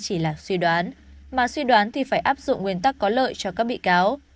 chỉ là suy đoán mà suy đoán thì phải áp dụng nguyên tắc có lợi cho các bị cáo